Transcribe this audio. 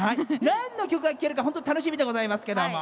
なんの曲が聴けるか本当楽しみでございますけど。